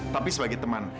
tapi sebagai teman